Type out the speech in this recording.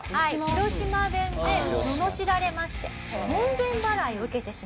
広島弁でののしられまして門前払いを受けてしまいます。